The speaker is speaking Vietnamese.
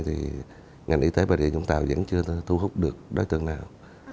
thì ngành y tế bà rịa vũng tàu vẫn chưa thu hút được đối tượng nào